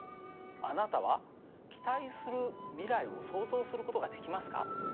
あなたは期待する未来を想像する事ができますか？